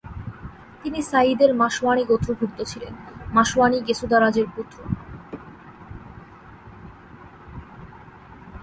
তিনি সায়্যিদ এর মাশওয়ানি গোত্রভুক্ত ছিলেন, মাশওয়ানি গেসুদারাজের পুত্র।